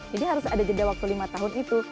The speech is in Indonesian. jadi harus ada jeda waktu lima tahun itu